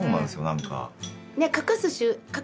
何か。